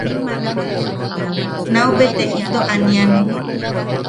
Naubete ito aanian.